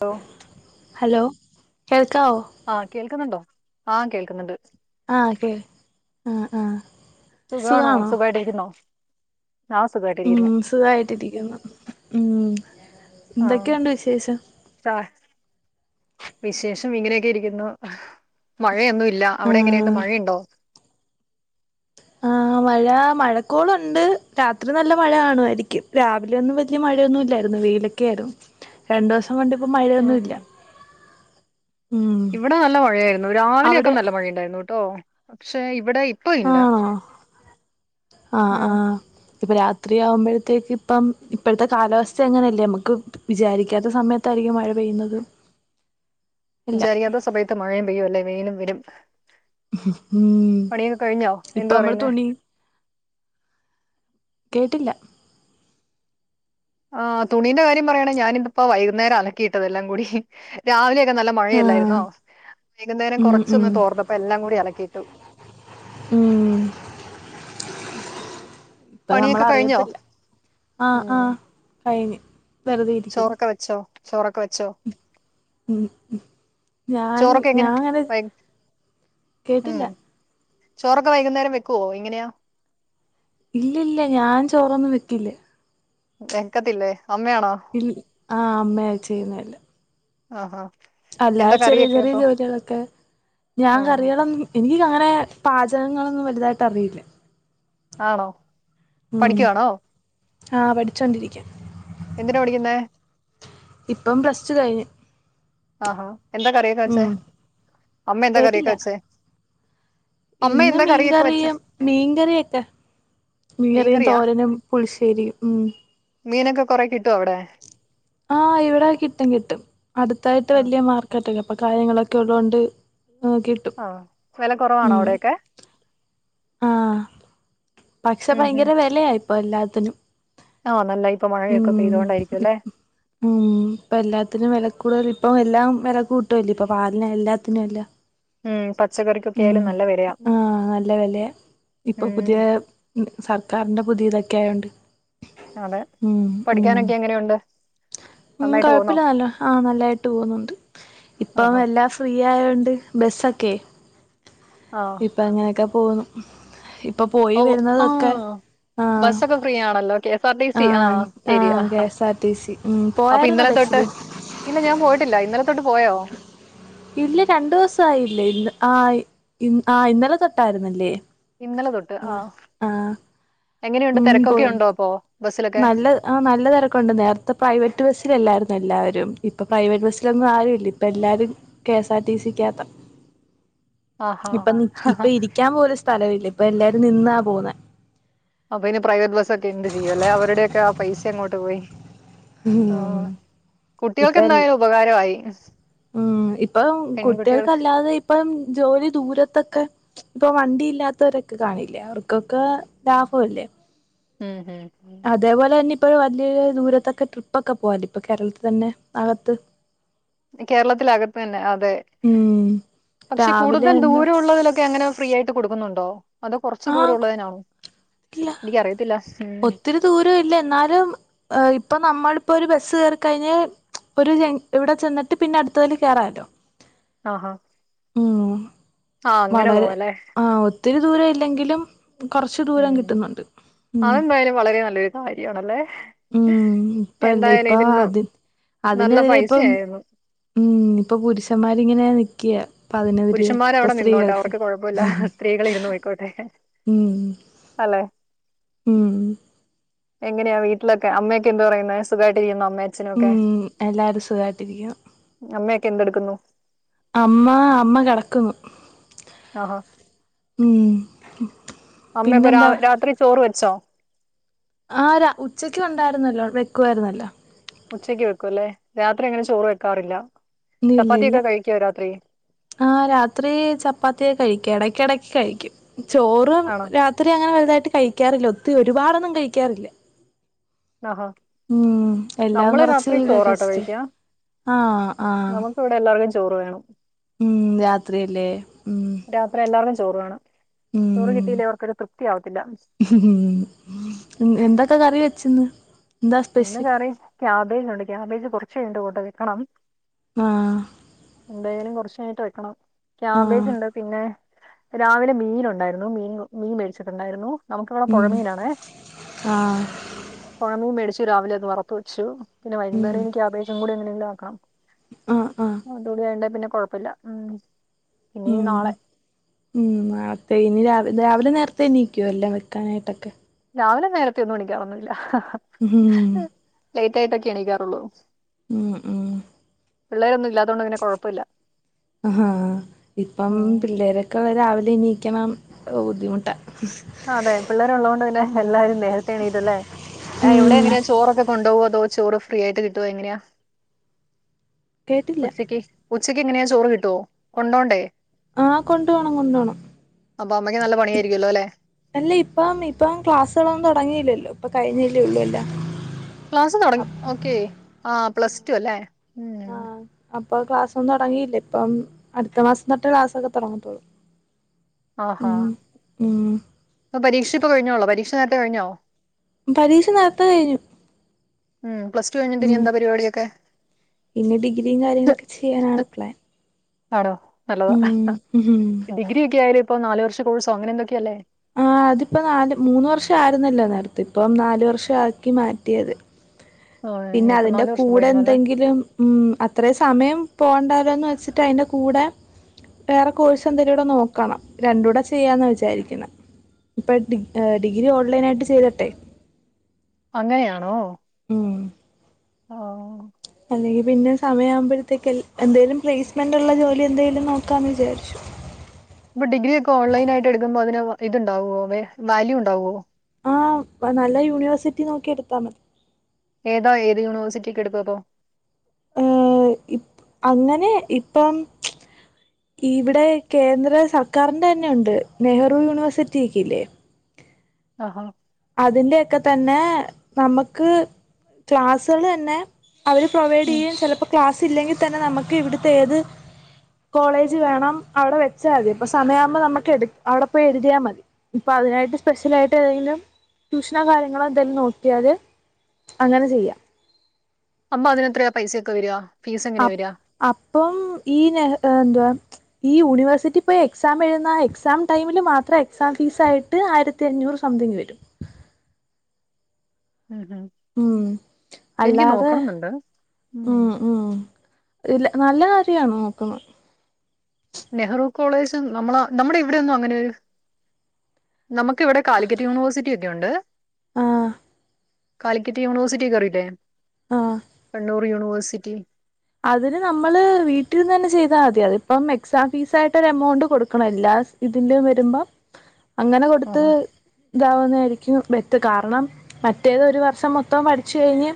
Law hello കേൾക്കവോ? ആഹ് കേൾക്കുന്നുണ്ടോ? ആഹ് കേൾക്കുന്നുണ്ട് ആഹ് കേ ആ ആഹ് സുഖമാണോ. സുഖാണോ സുഖമായിട്ടിരിക്കുന്നോ. ആ സുഖമായിട്ട ഉം സുഖായിട്ടിരിക്കുന്നു മം ആ എന്തൊക്കെയുണ്ട് വിശേഷം വിശേഷം ഇങ്ങനെയൊക്കെ ഇരിക്കുന്നു മഴയൊന്നുല്ല. അവിടെ എങ്ങനെയണ്ട് ആഹ് മഴയുണ്ടോ ആഹ് മഴ മഴക്കോളുണ്ട് രാത്രി നല്ല മഴ കാണുമായിരിക്കും രാവിലെ ഒന്ന് വല്യ മഴയൊന്നും ഇല്ലായിരുന്നു വെയിലൊക്കെ ആയിരുന്നു രണ്ടു ദിവസം കൊണ്ടിപ്പോ ഉം മഴയൊന്നുല്ല ഇവിടെ നല്ല മഴയായിരുന്നു. രാവിലെയൊക്കെ നല്ല മഴയുണ്ടായിരുന്നു ട്ടോ. പക്ഷെ ഇവിടെ ഇപ്പ ഇല്ല ആണോ ആഹ് ഉം ആഹ് ഇപ്പ രാത്രിയാവുമ്പോഴത്തേക്ക് ഇപ്പം ഇപ്പോഴത്തെ കാലാവസ്ഥ എങ്ങനെയല്ലേ നമുക്ക് വിചാരിക്കാത്ത സമയത്തായിരിക്കും മഴ പെയ്യുന്നത് എല്ലാം വിചാരിയാത്ത സമയത്ത് മഴയും പെയ്യും അല്ലെ വെയിലും വരും ഉം പണിയൊക്കെ കഴിഞ്ഞോ? ഇപ്പ എന്താ നമ്മള് പറയുന്നേ തുണി കേട്ടില്ല ആഹ് തുണിന്റെ കാര്യം പറയയാണങ്ക ഞാന ഇപ്പോ വൈകുന്നേരം അലക്കിയിട്ടതെല്ലാം കൂടി രാവിലെയ ഒക്കെ നല്ല ആഹ് മഴയല്ലായിരുന്നോ വൈകുന്നേരം ഉം ഉം കുറച്ചൊന്ന് തോർന്നപ്പ എല്ലാം കൂടി അലക്കിയിട്ടു ഉം ഇപ്പൊ പണിയൊക്കെ കഴിഞ്ഞോ നമ്മളറിയത്തില്ല ആഹ് ഉം ആഹ് കഴിഞ്ഞു ചോറൊക്കെ വെച്ചോ ചോറൊക്കെ വെച്ചോ മം ഞാൻ ചോറൊക്കെ എങ്ങനെ ഞാൻങ്ങനെ വൈ കേട്ടില്ല ചോറൊ വൈകുന്നേരം വെക്കുവോ എങ്ങനായ ഇല്ല ഇല്ല ഞാൻ ചോറൊന്നും വെക്കില്ലേ വേക്കത്തില്ലേ അമ്മയാണോ ഇ ആഹ് അമ്മയ ചെയ്യുന്നെ എല്ലാം ആഹ് ആഹാ എന്താ അല്ലതെ ചെറിയ കറിയൊക്കെ ചെറിയ അപ്പൊ ജോലികളൊക്കെ ഞാൻ ഉം കറികള് എനിക്ക് അങ്ങനെ പാചകങ്ങളൊന്നും വലുതായിട്ട് അറിയില്ല ആണോ പഠിക്കുവാണോ ആ പഠിച്ചുകൊണ്ടിരിക്ക എന്തിനാ പഠിക്കുന്നെ ഇപ്പം പ്ലസ് റ്റു കഴിഞ്ഞ് ആഹാ എന്താ കറിയക്കവെച്ചേ ഉം അമ്മ എന്താ കറിയക്ക കേട്ടില്ല വച്ചേ ഇന്ന് മീൻകറിയും മീൻകറിയൊക്കെ മീൻകറിയും മീൻകറിയാ തോരനും പുളിശ്ശേരി ഉം മീനൊക്കെ കൊറേ കിട്ടുവോ അവിടെ ആഹ് ഇവിടെ കിട്ടും കിട്ടും അടുത്തായിട്ട് ആ വലിയ മാർക്ക് റ്റ് കപ്പ കാര്യങ്ങളൊക്കെ ഉള്ളതുകൊണ്ട് ഹ വില കുറവാണോ അവിടെക്കെ ആഹ് പക്ഷെ ഉം ഭയങ്കര വിലയായിപ്പോ എല്ലാത്തിനും ആഹ് നല്ല ഇപ്പൊ ഉം മഴയൊക്കെെയ്തുകൊണ്ടായിരിക്കും അല്ലേ ഉം ഇപ്പ എല്ലാത്തിനും വില കൂടുതൽ ഇപ്പൊ എല്ലാം വില കൂട്ടുംല്ലേ ഇപ്പൊ പാലിന് എല്ലാത്തിനും അല്ല ഉം പച്ചക്കറി ഉം ആ നല്ല വെലയ ഇപ്പൊ ഉം പുതിയ ഉം സർക്കാർന്റെ പുതിയതൊക്കെ ആയൊണ്ട് അതെ പഠിക്കാനൊക്കെ എങ്ങനെ ഉണ്ട് ഉം കോഴപ്പല്ല നല്ല ആ നല്ലായിട്ട് പോവുന്നുണ്ട് ഇപ്പം ആഹാ എല്ലാ ഫ്രീ ആയൊണ്ട് ബെസ്സൊക്കെ ആ ഇപ്പ അങ്ങനെയൊക്കെ പോവുന്നു ഇപ്പ പോയി ഓ വരുന്നതൊക്കെ ആഹ് ആഹ് ബസ്സൊക്കെ ഫ്രീ ആണല്ലോ K S R T C ആ ആഹ് ശരിയ ആഹ് K S R T C ഉം പോയായിരുന്നോ തൊട്ട് ബസ്സില് ഇല്ല ഞാൻ പോയിട്ടില്ല ഇന്നലെ തൊട്ട് പോയോ ഇല്ല രണ്ടു ദിവസായില്ലേ ഇന്ന് ആ ഇ ആ ഇന്നലെ തൊട്ടായിരുന്നല്ലേ ഇന്നലെ തൊട്ട് ആ ആഹ് എങ്ങനെയുണ്ട് തെരക്കൊക്കെ ഉണ്ടോ അപ്പൊ ബസ്സിലൊക്കെ നല്ലത് ആ നല്ല തെരക്കുണ്ട് നേര്ത്തെ പ്രൈവറ്റ് ബസ്സിലല്ലായിരുന്നൊ എല്ലാവരും ഇപ്പൊ പ്രൈവറ്റ് ബസ്സിലൊന്നും ആരുല്ല ഇപ്പ എല്ലാരും K S R T C ക്കകത്താ [inaudible] ഇപ്പൻ ഇപ്പ ഇരിക്ക്യാം പോലു സ്ഥലവില്ല ഇപ്പൊ എല്ലാരും നിന്നാ പോവുന്നെ അപ്പ ഇനി പ്രൈവറ്റ് ബസ്സൊക്കെ എന്ത് ചെയ്യുവല്ലേ അവരുടെയൊക്കെ ആ പൈസ എങ്ങോട്ട് പോയി ആഹ് ഉം കുട്ടികൾക്ക് ഇപ്പൽ എന്തായാലും ഉപകാരമായി ഉം ഇപ്പം പെൺകുട്ടികൾക്ക് കുട്ടികൾക്കല്ലാതെ ഇപ്പം ജോലി ദൂരത്തക്ക ഇപ്പൊ വണ്ടി ഇല്ലാത്തവരൊക്കെ കാണില്ലേ അവർക്കൊക്ക ലാഭവല്ലേ ഉം ഉം ഉം അതേപോലെ തന്നെ ഇപ്പോ വല്ല്യോരു ദൂരത്തൊക്കെ ട്രിപ്പ് ഒക്ക പോവല് ഇപ്പൊ കേരളത്തി തന്നെ അകത്ത് കേരളത്തിലകത്ത് തന്നെ അതെ ഉം പക്ഷെ രാവിലെ കൂടുതൽ എന്താ ദൂരവുള്ളതിലൊക്കെ എങ്ങനെ ഫ്രീ ആയിട്ട് കൊടുക്കുന്നുണ്ടോ അതൊ കൊർച്ച് ദൂരം ആഹ് ഉള്ളതിനാണോ ഇല്ല എനിക്കറിയത്തില്ല ഉം ഒത്തിരി ദൂരം ഇല്ല എന്നാലും ഇപ്പ നമ്മളിപ്പൊരു ബസ് കേറി കഴിഞ്ഞാൽ ഒരു ജൻ ഇവടെ ചെന്ന്ട്ട് പിന്നെ അട്ത്തതില് കേറാലോ ആഹാ ഉം ആ അങ്ങനെ വളരെ പോവ ലെ ആ ഒത്തിരി ദൂരം ഇല്ലെങ്കിലും കൊർച്ച് ദൂരം കിട്ടുന്നുണ്ട് ഉം അത് എന്തായാലും വളരെ നല്ലൊരു കാര്യാണല്ലേ ഉം ഇപ്പല്ല എന്തായാലും ഇപ്പ ഇതിന്നും അത് നല്ല അതിനെതിരെ പൈസ ഇപ്പം ആയിരുന്നു ഉം ഇപ്പ പുരുഷന്മാരിങ്ങനെ നിക്ക്യ അപ്പ അതിനൊര് ഇപ്പ സ്ത്രീയായിട്ട് സ്ത്രീകള് ഇര്ന്ന് പോയിക്കോട്ടെ ഉം അല്ലേ ഉം എങ്ങനെയാ വീട്ടിലൊക്കെ അമ്മെക്കെ എന്ത്‌ പറയുന്ന് സുഖായിട്ട് ഇരിക്കുന്നോ അമ്മെ ഉം, എല്ലാരും സുഖായിട്ടിരിക്കുന്നു. അമ്മയൊക്കെ എന്തെടുക്കുന്നു. അമ്മ, അമ്മ കെടക്കുന്നു. ആഹോ ഉം. അമ്മപ്പൊ രാ പിന്നെന്താ രാത്രി ചോറ് വെച്ചോ? ആഹ്, രാ ഉച്ചക്ക് ഉണ്ടായിരുന്നല്ലോ വെക്കുവായിരുന്നല്ലോ ഉച്ചയ്ക്ക് വെക്കൂല്ലേ, രാത്രി അങ്ങനെ ചോറ് വെക്കാറില്ലാ. ഇല്ലില്ല്യല്ല്യ ആഹ്, രാത്രി ചപ്പാത്തിയ കഴിക്കാ. എടയ്ക്കെടയ്ക്ക് കഴിക്കും. ചോറും ആണോ രാ ഒത്തിരി അങ്ങനെ വലുതായിട്ട് കഴിക്കാറില്ല. ഒത്തി ഒരുപാടൊന്നും കഴിക്കാറില്ല. നാഹാ, ഉം എല്ലാം നമ്മള് കുറച്ച് രാത്രി ഇതൊക്കെ ചോറാട്ട വെച്ചിട്ട് കഴിയ്ക്കാ. ആ ആ നമു ക്ക് വടെ എല്ലാവർക്കും ചോറ് വേണം. ഉം, മ് രാത്രിയല്ലേ ഉം. രാത്രി എല്ലാർക്കും ചോറ് വേണം. ചോറ് ഉം കിട്ടിയില്ലേ അവർക്കൊരു തൃപ്തി ആവത്തില്ല. ഉം, എന്തൊക്കെ കറി വെച്ച് ഇന്ന്. ഇന്ന് കറി ക്യാബേജ് ഉണ്ട് ക്യാബേജ് കൊറച്ച് കഴിഞ്ഞ്ട്ട് കൊണ്ടൊയി വെക്കണം. ആഹ്. എന്തായാലും കൊറച്ച് കഴിഞ്ഞിട്ട് വെക്കണം. ആ ക്യാബേജ്ണ്ട് പിന്നെ രാവിലെ മീൻ ഉണ്ടായിരുന്നു. മീൻ മീൻ മേടിച്ചിട്ടുണ്ടായിരുന്നു നമുക്ക് വടെ ഉം പൊഴമീനാണേ. ആ പോഴമീൻ മേടിച്ചു രാവിലെ അത് വറത്തു വെച്ചു. പിന്നെ ഉം വൈകുന്നേരം ഇനി ക്യാബേജുംകൂടി എങ്ങനെങ്കിലും ആക്കണം. ആ ആ അതൂടി ആയ്ണ്ടേ പിന്നെ കൊഴപ്പല്ല. ഉം പിന്നെ ഈ ഉം. നാളെ ഉം, നാളത്തെ ഇനി രാവി രാവിലെ നേർത്തെ എണീക്കോ എല്ലാം വെക്കാനായിട്ടൊക്കെ. രാവിലെ നേരത്തെ ഒന്നും എണീക്കാറൊന്നു ഇല്ല. ഹും ഹും ലേറ്റായിട്ടൊക്കെ എണീക്കാറൊള്ളൂ. ഉം, ഉം പിള്ളേരൊന്നും ഇല്ലാ അഹാഹ്, ഇപ്പം ഉം പിള്ളേരെ ക്കൊ രാവിലെ എണീക്കണം അതൊക്കെ ബുദ്ധിമുട്ടാ അതെ, പിള്ളേര് ഒള്ളോണ്ട് തന്നെ എല്ലാരും നേരത്തെ എണീറ്റല്ലേ. ആഹ്, ഇവടെ ഉം എങ്ങനെയാ ചോറൊക്കെ കൊണ്ടോവോ, അതോ ചോറ് ഫ്രീ ആയിട്ട് കിട്ടോ എങ്ങനെയാ? കേട്ടില്ല ഉച്ചയ്ക്ക്, ഉച്ചയ്ക്ക് എങ്ങനെയാ ചോറ് കിട്ടോ, കൊണ്ടോണ്ടേ? ആഹ്, കൊണ്ടുപോണം, കൊണ്ടോണം. അപ്പൊ അമ്മയ്ക്ക് നല്ല പണിയായിരിക്കുമല്ലോ അല്ലേ അല്ല ഇപ്പം ഇപ്പം ക്ലാസ്സുകളൊന്നും തൊടങ്ങിയില്ലല്ലോ ഇപ്പ കഴിഞ്ഞല്ലേ ഒള്ളൂ എല്ലാം. ക്ലാസ്സ് തൊടങ്ങി, ഓക്കേ ആഹ് പ്ലസ് ടു അല്ലേ. ഉം അപ്പോ ക്ലാസ്സൊന്നും തൊടങ്ങിയില്ലെ ഇപ്പം അടുത്ത മാസം തോട്ട് ക്ലാസ്സൊക്കെ തൊടങ്ങത്തൊള്ളൂ. ആഹ്, ഹാഹ് ഉം. പ്പ പരീക്ഷ ഇപ്പ കഴിഞ്ഞൊള്ളൊ, പരീക്ഷ നേരത്തെ കഴിഞ്ഞോ? പരീക്ഷ നേർത്തെ കഴിഞ്ഞു. ഉം പ്ലസ് ടു കഴിഞ്ഞിട്ട് ഇനി ഉം, എന്താ പരിപാടിയൊക്കെ ഇനി ഡിഗ്രിയും കാര്യങ്ങളൊക്കെ ചെയ്യാനാണ് പ്ലാൻ. പറാ ഹലോ ഉം ഉം ഡിഗ്രി ഒക്കെ ആയാല് ഇപ്പോ നാലു വർഷ കോഴ്സോ അങ്ങനെ എന്തൊക്കെയല്ലേ ആഹ് അതിപ്പോ നാല് മൂന്ന് വർഷം ആയിരുന്നല്ലോ നേരത്തെ ഇപ്പം നാലു വർഷം ആക്കി മാറ്റി അത് ഓ പിന്നെ ഇപ്പൊ അതിന്റെ നാല് വർഷം കൂടെ പഠിക്കണം അല്ലേ എന്തെങ്കിലും ഉം അത്രയും സമയം പോണ്ടാല്ലോന്ന് വെച്ചിട്ട് അതിന്റെ കൂടെ വേറെ കോഴ്സ് എന്തേലൂടെ നോക്കണം രണ്ടൂടെ ചെയ്യാന്ന് വിചാരിക്ക്‌ന്നെ ഇപ്പേ ഡി ഡിഗ്രി ഓൺലൈൻ ആയിട്ട് ചെയ്തിട്ടെ അങ്ങനെ ആണോ ഉം ഓ അല്ലെങ്കിൽ പിന്നെ സമയമ്പോഴ്ത്തേക്ക് എൽ എന്തേലും പ്ലേസ്മെന്റ് ഒള്ള ജോലി എന്തേലും നോക്കാന്ന് വിചാരിച്ചു ഇപ്പോ ഡിഗ്രി ഒക്കെ ഓൺലൈനായിട്ട് എടുക്കുമ്പോ അതിന് ഇത്ണ്ടാവുമോ വേ വാല്യു ഉണ്ടാവോ ആഹ് നല്ല യൂണിവേഴ്സിറ്റി നോക്കി എടുത്താ മതി ഏതാ ഏത് യൂണിവഴ്സിറ്റിക്ക് എടുക്കും അപ്പോ എഹ് ഇപ്പ് അങ്ങനെ ഇപ്പം ഇവിടെ കേന്ദ്ര സർക്കാരിന്റെന്നെ ഉണ്ട് നെഹ്റു യൂണിവേഴ്സിറ്റി ഒക്കെ ഇല്ലേ ആഹ അതിന്റെയൊക്കെ തന്നെ നമക്ക് ക്ലാസ്സാള് തന്നെ അവര് ഉം പ്രൊവൈഡെയ്യും ചെലപ്പോ ക്ലാസ് ഇല്ലെങ്കി തന്നെ നമുക്ക് ഇവിടുത്തെ ഏത് കോളേജ് വേണം അവിടെ വെച്ചാതി അപ്പൊ സമയയാവുമ്പോ നമുക്ക് എട് അവിടെ പോയി എഴുതിയാ മതി. അപ്പ അതിനായിട്ട് സ്പെഷ്യലായിട്ട് ഏതെങ്കിലും ട്യൂഷനോ കാര്യങ്ങളോ എന്തേലും നോക്കിയാല് അങ്ങനെ ചെയ്യാം. അമ്മ അതിനെത്രയാ പൈസക്കെ വരാ ഫീസെങ്ങനാ അപ് വരാ. അപ്പം ഈ നെഹ് എന്തുവാ. ഈ യൂണിവേഴ്സിറ്റി പോയി എക്സാം എഴുതുന്ന എക്സാം ടൈമില് മാത്രം എക്സാം ഫീസായി ട്ട് ആയിരത്തി അഞ്ഞൂറ് സംതിങ് വരും. ഉം ഹും ഉം അല്ലാതെ ഉം. ഉം ഇല്ല നല്ല കാര്യാ നോക്കുന്നെ നെഹ്റു കോളേജ് നമ്മള നമ്മുടെ ഇവിടെയൊന്നും അങ്ങനൊരു നമുക്ക് ഇവിടെ കാലിക്കറ്റ് യൂണിവേഴ്സിറ്റി ഒക്കെ ഉണ്ട്. ആഹ് കാലിക്കറ്റ് യൂണിവേഴ്സിറ്റിക്കെ അറീലേ ആഹ് കണ്ണൂർ യൂണിവേഴ്സിറ്റി. അതിന് നമ്മള് വീട്ടിര്നന്നെ ചെയ്താതി അതിപ്പം എക്സാം ഫീസായിട്ട് ഒരു എമൗണ്ട് കൊടുക്കണം എല്ലാ ഇതിന്റേം വരുമ്പം അങ്ങനെ കൊടുത്ത് ആഹാ താവുന്നായിരിക്കും ബെറ്റ് കാരണം മറ്റേത് ഒരു വർഷം മൊത്തോം പഠിച്ച്കഴിഞ്ഞ്.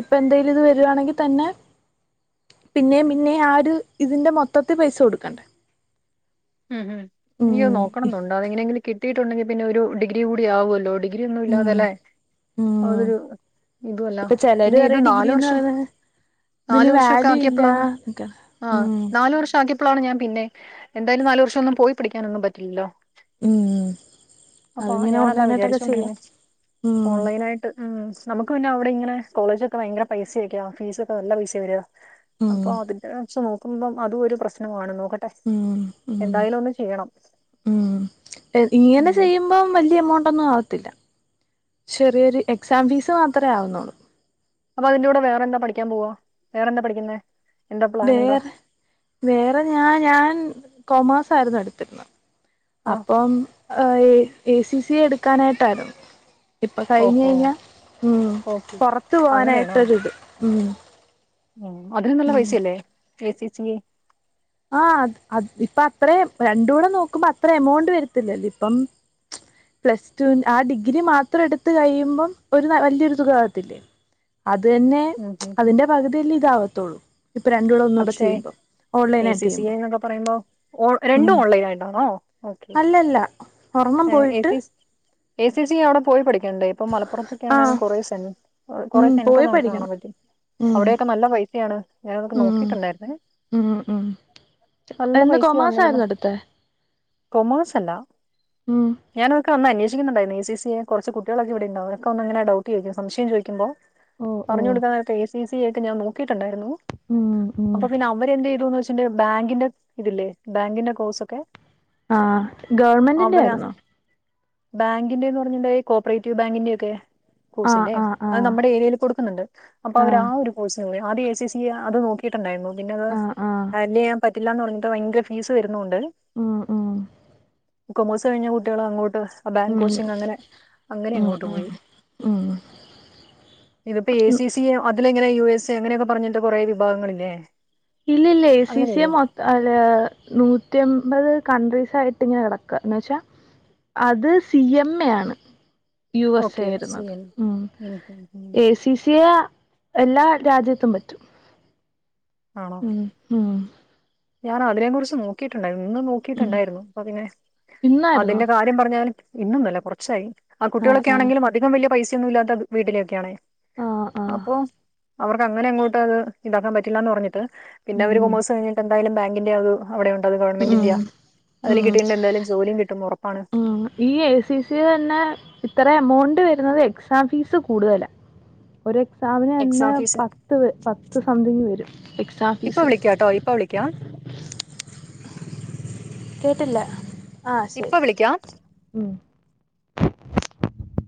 ഇപ്പ എന്തേലും ഇത് വരുവാണെങ്കി തന്നെ. പിന്നേം പിന്നേം ആ ഒരു ഇതിന്റെ മൊത്തത്തി പൈസ കൊടുക്കണ്ടേ. ഉം ഹും എനിക്കത് ഉം നോക്കണന്നുണ്ട് അതെങ്ങനെങ്കിലും കിട്ടീട്ടുണ്ടെങ്കി പിന്നെ ഒരു ഡിഗ്രി കൂടി ആവല്ലോ ഡി ഗ്രി ഒന്നും ഉം ഇല്ലാതല്ലേ. ഉം അതൊരു ഇതുവല്ലാ ഇപ്പൊ ചിലര് പിന്നെ ഇത് പറയും നാലു ഡിഗ്രിന്ന് വർഷം. പറയുന്നത് നാലു ഇതിന് വർഷൊക്കെ വാല്യൂ ഇല്ല ആക്കിയപ്പളാണ് എന്നൊക്കെ ആഹ് ഉം നാലു വർഷം ആക്കിയ പ്പളാണ് ഞാൻ പിന്നേം എന്തായാലും നാല് വർഷൊന്നും പോയി പഠിക്കാനൊന്നും പറ്റില്ലല്ലോ. ഉം അപ്പൊ അതിങ്ങനെ ഞാനതാ ഓൺലൈനായിട്ടൊക്കെ ചെയ്യാം വിചാരിച്ചോണ്ടിരുന്നെ ഉം ഓൺലൈനായിട്ട്. ഉം നമുക്ക് പിന്നെ അവിടെ ഇങ്ങനെ കോളേജൊക്കെ ഭയങ്കര പൈസയൊക്കെയാവും ഫീസൊക്കെ നല്ല പൈസയാ വരാ. ഉം അപ്പൊ അതിന്റെ വച്ച് നോക്കുമ്പം അതും ഒരു പ്രശ്നമാണ് നോക്കട്ടെ. ഉം ഉം എന്തായാലും ഒന്ന് ചെയ്യണം ഉം ഇങ്ങനെ ഉം ചെയ്യു മ്പം വല്ല്യെ എമൗണ്ടൊന്നും ആവത്തില്ല ചെറിയൊരു എക്സാം ഫീസ് മാത്രേ ആവുന്നൊള്ളൂ. അപ്പൊ അതിന്റെകൂടെ വേറെന്താ പഠിക്കാൻ പോവാ വേറെന്താ പഠിക്കുന്നേ. എന്താ പ്ലാൻ എന്താ വേറെ വേറെ ഞാൻ ഞാൻ കോമേഴ്സ് ആയിരുന്നു എടുത്തിരുന്നെ. ആ അപ്പം എ സി സിഎ എടുക്കാനായിട്ടായിരുന്നു. ഇപ്പ ഓഹോ കഴിഞ്ഞയിഞ്ഞാ ഉം ഓക്കെ പൊറത്ത് അങ്ങനെയാണോ പോവാനായിട്ടൊരിത് ഉം. ഉം അതിനും നല്ല പൈസയല്ലേ എ സി സിഎ. ആഹ് അഹ് അഹ് ഇപ്പ അത്രേം രണ്ടൂടെ നോക്കുമ്പോ അത്ര എമൗണ്ട് വരത്തില്ലല്ലേ ഇപ്പം ച പ്ലസ്ടൂന് ആ ഡിഗ്രി മാത്രം എടുത്ത് കയ്യുമ്പം ഒരു വല്ല്യെരു തുകാവത്തില്ലെ. അത് തന്നെ ഉം ച് ഉം ഉം. അതിന്റെ പകുതിയല്ലേ ഇതാവത്തൊള്ളൂ. ഇപ്പൊ രണ്ടൂടെ ഒന്നൂടെ പക്ഷേ ചെയ്യുമ്പോ എ ഓൺലൈനായി സി സി എ ന്നൊക്കെ പറയുമ്പോ ഓ രണ്ടും ഓൺലൈനായിട്ടാണൊ ഓക്കെ. ഒറെണ്ണം എ പോയിട്ട്. സി എ സി സിഎ അവിടെ പോയി പഠിക്കേണ്ടേ. ഇപ്പം മലപ്പുറത്തൊക്കെ ആ ആണേലും കൊറേ സെ ഉം കൊററെ സെന്റർ പോയി നമുക്ക് പഠിക്കണം കാണാപറ്റും. ഉം അവിടെയൊക്കെ നല്ല പൈസയാണ് ഞാനതൊക്കെ നോക്കി ഉം ട്ടുണ്ടായിരുന്നേ ഉം ഉം നല്ല എന്ത് കൊമേഴ്സ് പൈസയാവുന്നുണ്ടല്ലോ. ആയിരുന്നു എടുത്തെ കൊമേസല്ലാ. ഉം ഞാനതൊക്കഅന്ന് അന്വേഷിക്കുന്നുണ്ടാരുന്നു എ സി സി എ കൊറച്ച് കുട്ടികളൊക്കെ ഇവിടെണ്ടാകും എക്കവന്നിങ്ങനെ ഡൗട്ട് ചോദിക്കും സംശം ചോയിക്കുമ്പോ ഓ ഓ പറഞ്ഞുകൊടുക്കാ നേരത്ത് ഏ സി സി എ ക്ക ഞാൻ നോക്കിട്ടുണ്ടാരുന്നു ഉം ഉം അപ്പൊ പിന്നെ അവരെന്ത്‌ ചെയ്തുന്ന് വെച്ചിണ്ടെ ബാങ്കിന്റെ ഇതില്ലേ ബാങ്കിന്റെ കോഴ്സ് ഒക്കെ ആഹ് ഗവൺമെന്റിന്റെ ആയിരുന്നോ ബാങ്കിന്റെന്ന് പറഞ്ഞുണ്ടെ ഈ കോപ്പറേറ്റീവ് ബാങ്കിന്റെ ഒക്കെ ആ കോഴ്സ്സില്ലേ ആ ആ അത് നമ്മുടെ ഏരിയേല് കൊടുക്കുന്നുണ്ട് അപ്പൊ അവര് ആ ഒരു കോഴ്സിനെ ആദ്യ എ സി സി എ അത് നോക്കി ട്ടുണ്ടായിരുന്നു പിന്നത് ആ ആ ഹാന്റ്ല് ചെയ്യാൻ പറ്റില്ലാന്ന് പറഞ്ഞിട്ട് ഭയങ്കര ഫീസ് വരുന്നകൊണ്ട് ഉം ഉം കൊമേഴ്സ് കഴിഞ്ഞ കുട്ടികള് അങ്ങോട്ട് ബാങ്ക് ഉം കോച്ചിങ് അങ്ങനെ അങ്ങനെ ഉം അങ്ങോട്ട് ഉം പോയി ഉം ഇതിപ്പോ എ സി സി എ അതിലിങ്ങനെ യു എസ് എ അങ്ങനെയൊക്കെ പറഞ്ഞിട്ട് കൊറെ വിഭാഗങ്ങളില്ലേ ഇല്ല ഇല്ല എസി സി എ അങ്ങനെയല്ലേ മൊത് ല്ലഅത് നൂറ്റിയെമ്പത് കൺട്രീസായിട്ട് ഇങ്ങനെ കെടക്ക എന്ന് വെച്ചാ അത് സി എം എ ആണ് U S A okay C ആയിരുന്നത് എൻ ഉം എ സി സി എ എല്ലാ രാജ്യത്തും പറ്റും ആണോ ഉം ഉം ഞാൻ അതിനെ കുറിച്ച് നോക്കിട്ടുണ്ടാരുന്നു ഇന്ന് ഉം നോക്കിട്ടുണ്ടാരുന്നു അപ്പ പിന്നെ അതിന്റ ഇന്നായിരുന്നോ കാര്യ ര്യം പറഞ്ഞാല് ഇന്നൊന്നല്ല കുറച്ചായി ആ ആഹ് കുട്ടികളൊക്കെ ആഹ് ആണെങ്കിലും അധികം വല്യ പൈസയൊന്നും ഇല്ലാത്ത വീട്ടിലേക്കെയാണേ ആഹ് ആഹ് അപ്പൊ അവർക്ക് അങ്ങനെ അങ്ങോട്ട് അത് ഇണ്ടാക്കാൻ പറ്റില്ലാന്ന് പറഞ്ഞിട്ട് പിന്നെ അവരു ഉം കൊമേഴ്സ് കിഞ്ഞിട്ട എന്തായാലും ബാങ്കിന്റെ അത് അവിടെ ഉണ്ടത് അത് ഉം ഗവൺമെന്റിന്റെയാ അതില് ഉം കിട്ടീട്ട്ണ്ടെ എന്തായാലും ജോലിം കിട്ടും ഉറപ്പാണ് ഉം ഈ എ സി സി എ തന്നെ ഇത്ര എമൗണ്ട് വരുന്നത് എക്സാം ഫീസ് കൂടുതലാ ഒരു എക്സാമിന് തന്നെ എക്സാം ഫീസ് പത്ത് വര് പത്ത് സംതിങ് വരും എക്സാം ഫീസ് ഇപ്പ വിളിക്കാം കേട്ടില്ല ആഹ് ശരി ഇപ്പൊ വിളിക്കാം ഉം